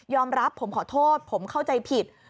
อมรับผมขอโทษผมเข้าใจผิด